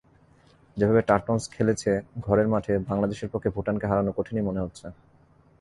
যেভাবে টারটনস খেলেছে ঘরের মাঠে, বাংলাদেশের পক্ষে ভুটানকে হারানো কঠিনই মনে হচ্ছে।